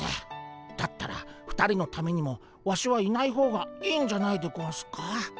だったら２人のためにもワシはいない方がいいんじゃないでゴンスか？